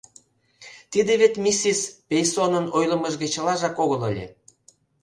Тиде вет миссис Пейсонын ойлымыж гыч чылажак огыл ыле.